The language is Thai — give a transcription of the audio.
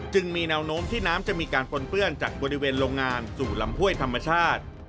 มีแนวโน้มที่น้ำจะมีการปนเปื้อนจากบริเวณโรงงานสู่ลำห้วยธรรมชาติ